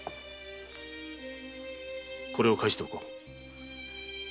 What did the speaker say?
これを返しておこう。